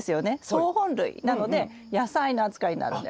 草本類なので野菜の扱いになるんです。